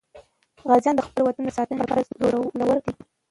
غازیان د خپل وطن د ساتنې لپاره زړور دي.